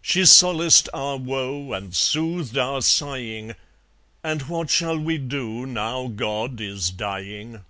She solaced our woe And soothed our sighing; And what shall we do Now God is dying?